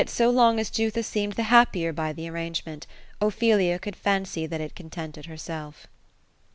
so long as Jutha seemed the happier by the arrangement^ Ophelia could fancy that it contented herself.